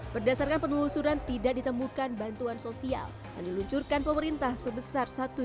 berdasarkan penelusuran tidak ditemukan bantuan sosial yang diluncurkan pemerintah sebesar satu juta